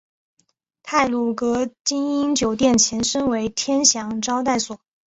太鲁阁晶英酒店前身为天祥招待所。